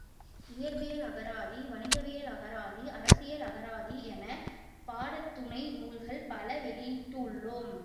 இயற்பியல் அகராதி, வணிகவியல் அகராதி, அரசியல் அகராதி எனப் பாடத்துணை நூல்கள் பல வெளியிட்டுள்ளோம்.